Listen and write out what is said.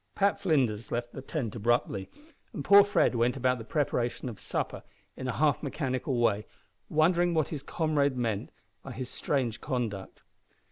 Pat Flinders left the tent abruptly, and poor Fred went about the preparation of supper in a half mechanical way, wondering what his comrade meant by his strange conduct.